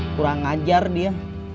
kurang ngajar dia